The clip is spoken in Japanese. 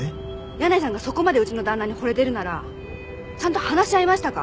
箭内さんがそこまでうちの旦那に惚れてるならちゃんと話し合いましたか？